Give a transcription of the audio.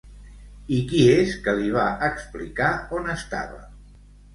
I qui és que li va explicar on estava?